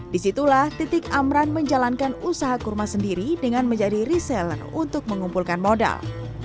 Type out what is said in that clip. disitulah titik amran menjalankan usaha kurma sendiri dengan menjadi reseller untuk mengumpulkan modal